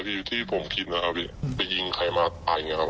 พี่ที่ผมคิดนะครับพี่ไปยิงใครมาไต้อย่างเงี้ยครับ